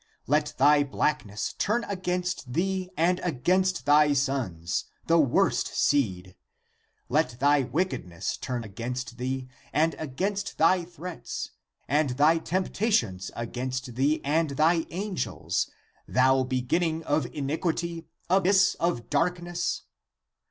Let thy black ness turn against thee and against thy sons, the worst seed; let thy wickedness turn against thee; and against thee thy threats, and thy temptations against thee and thy angels, thou beginning of in iquity, abyss of darkness!